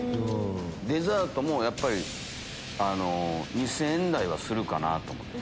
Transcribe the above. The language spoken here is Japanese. デザートも２０００円台はするかなと思って。